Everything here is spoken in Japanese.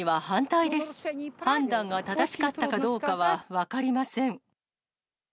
判断が正しかったかどうかは分かりません。